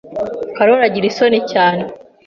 Karoli agira isoni cyane.